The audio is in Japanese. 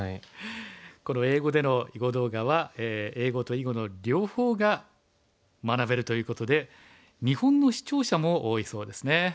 この英語での囲碁動画は英語と囲碁の両方が学べるということで日本の視聴者も多いそうですね。